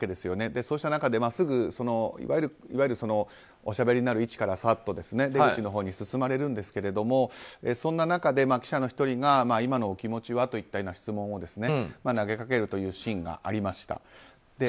そうした中で、すぐ、いわゆるおしゃべりになる位置からさっと出口のほうに進まれるんですけどそんな中で、記者の１人が今のお気持ちは？といった質問を投げかけるというシーンがありました。